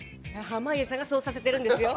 濱家さんがそうさせてるんですよ。